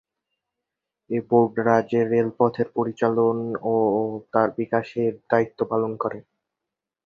এ board রাজ্যের রেলপথের পরিচালন ও তার বিকাশের দায়িত্ব পালন করে।